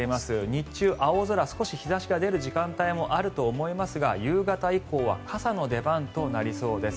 日中、青空少し日差しが出る時間帯もありますが夕方以降は傘の出番となりそうです。